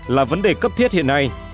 là vấn đề cấp thiết hiện nay